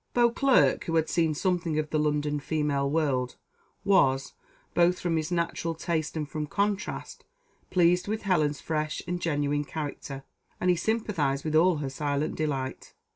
Beauclerc, who had seen something of the London female world, was, both from his natural taste and from contrast, pleased with Helen's fresh and genuine character, and he sympathised with all her silent delight.